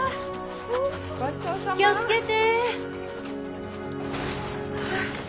気を付けて。